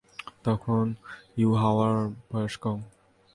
তখন ইউহাওয়ার বয়স কম।